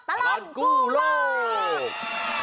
ตลอดกู้โลก